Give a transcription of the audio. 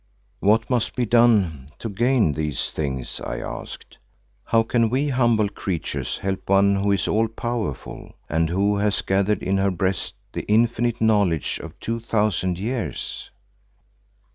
"What must we do to gain these things?" I asked. "How can we humble creatures help one who is all powerful and who has gathered in her breast the infinite knowledge of two thousand years?"